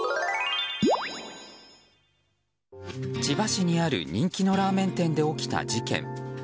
千葉市にある人気のラーメン店で起きた事件。